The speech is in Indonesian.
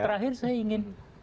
terakhir saya ingin